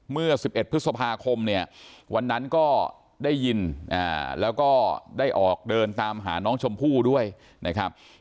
เมื่อ๑๑พฤษภาคมเนี่ยวันนั้นก็ได้ยินแล้วก็ได้ออกเดินตามหาน้องชมพู่ด้วยนะครับ